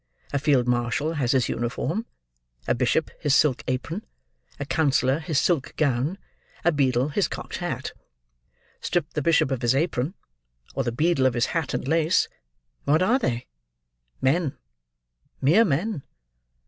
A field marshal has his uniform; a bishop his silk apron; a counsellor his silk gown; a beadle his cocked hat. Strip the bishop of his apron, or the beadle of his hat and lace; what are they? Men. Mere men.